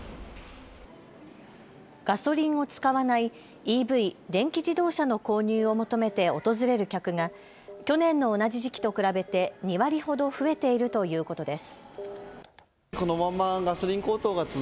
ガソリンを使わないＥＶ・電気自動車の購入を求めて訪れる客が去年の同じ時期と比べて２割ほど増えているということです。